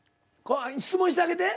質問してあげて。